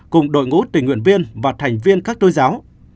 cùng đội ngũ tình nguyện viên và thành viên các tôn giáo